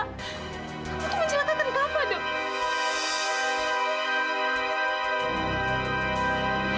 untuk mencelakakan kaka dok